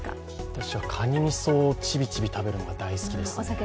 私はかにみそをちびちび食べるのが大好きです。